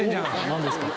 何ですか？